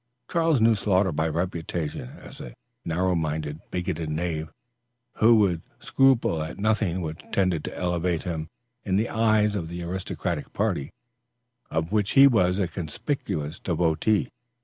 Charles knew Sloughter by reputation as a narrow minded, bigoted knave, who would scruple at nothing which tended to elevate him in the eyes of the aristocratic party, of which he was a conspicuous devotee.